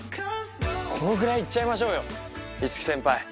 このぐらい行っちゃいましょうよ五木先輩！